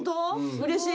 うれしい。